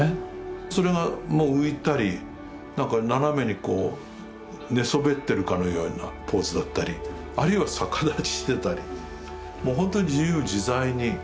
それがもう浮いたりなんか斜めにこう寝そべってるかのようなポーズだったりあるいは逆立ちしてたりもうほんとに自由自在になってきますよね。